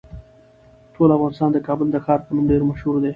ټول افغانستان د کابل د ښار په نوم ډیر مشهور دی.